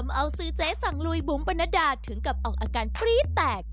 เอาซื้อเจ๊สั่งลุยบุ๋มปรณดาถึงกับออกอาการปรี๊ดแตก